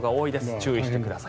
注意してください。